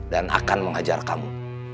dan akan menghajar kamu